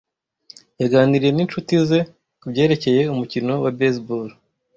Yaganiriye ninshuti ze kubyerekeye umukino wa baseball.